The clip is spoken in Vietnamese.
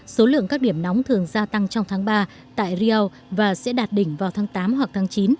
số lượng các điểm nóng thường gia tăng trong tháng ba tại riao và sẽ đạt đỉnh vào tháng tám hoặc tháng chín